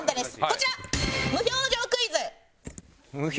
こちら！